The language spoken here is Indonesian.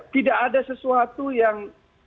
tidak ada sesuatu yang